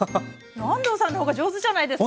安藤さんのほうが上手じゃないですか。